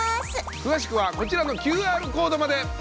詳しくはこちらのＱＲコードまで！